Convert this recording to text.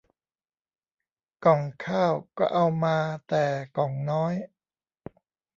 ก่องข้าวก็เอามาแต่ก่องน้อย